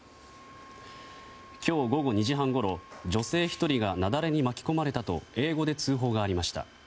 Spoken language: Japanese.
今日午後２時半ごろ女性１人が雪崩に巻き込まれたと英語で通報がありました。